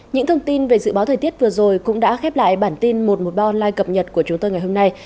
những thông tin về dự báo thời tiết vừa rồi cũng đã khép lại bản tin một trăm một mươi ba online cập nhật của chúng tôi ngày hôm nay